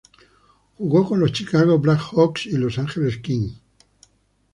Jugó con los Chicago Black Hawks y los Los Angeles Kings.